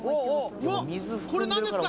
うわこれ何ですか？